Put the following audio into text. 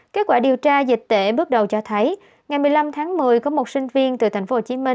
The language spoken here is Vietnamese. kết quả điều tra dịch tễ bước đầu cho thấy ngày một mươi năm tháng một mươi có một sinh viên từ tp hcm